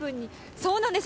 そうなんですよ。